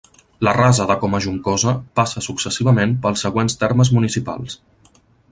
La Rasa de Comajuncosa passa successivament pels següents termes municipals.